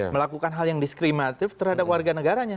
melakukan hal yang diskrimatif terhadap warga negaranya